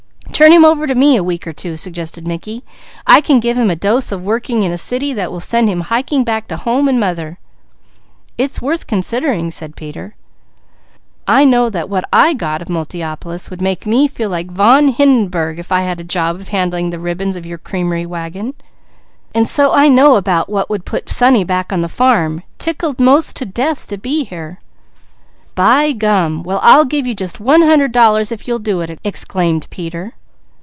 "Turn him over to me a week or two," suggested Mickey. "I can give him a dose of working in a city that will send him hiking back to home and father." "It's worth considering," said Peter. "I know that what I got of Multiopolis would make me feel like von Hindenberg if I had the job of handling the ribbons of your creamery wagon; and so I know about what would put sonny back on the farm, tickled 'most to death to be here." "By gum! Well, I'll give you just one hundred dollars if you'll do it!" exclaimed Peter.